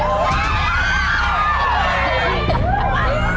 ๑ล้านล้าน